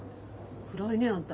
暗いねあんた。